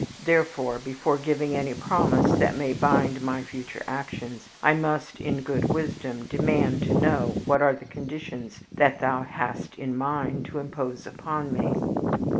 Therefore, before giving any promise that may bind my future actions, I must, in common wisdom, demand to know what are the conditions that thou hast in mind to impose upon me."